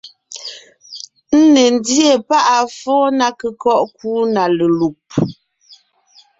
Ńne ńdíe páʼ à foo ná kékɔ́ʼ nkúu na lelùb,